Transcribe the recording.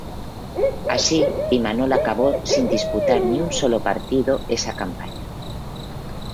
Así, Imanol acabó sin disputar ni un solo partido esa campaña.